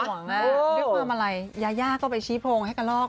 นึกว่าอะไรยาก็ไปชี้พงให้กะลอก